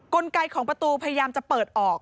กลไกของประตูพยายามจะเปิดออก